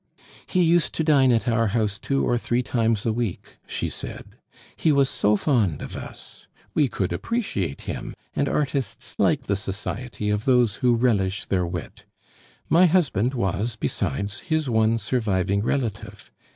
"He used to dine at our house two or three times a week," she said; "he was so fond of us! We could appreciate him, and artists like the society of those who relish their wit. My husband was, besides, his one surviving relative.